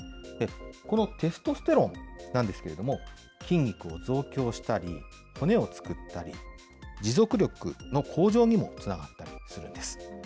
このてすとすてろんなんですけれども筋肉を増強したり、骨を作ったり、持続力の向上にもつながったりするんです。